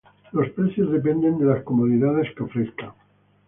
Los precios dependen de las comodidades que ofrezcan.